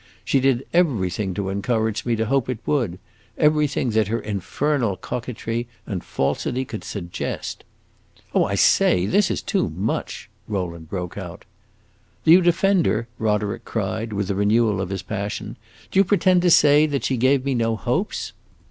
She did everything to encourage me to hope it would; everything that her infernal coquetry and falsity could suggest." "Oh, I say, this is too much!" Rowland broke out. "Do you defend her?" Roderick cried, with a renewal of his passion. "Do you pretend to say that she gave me no hopes?"